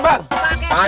itu ya pake rem apa bang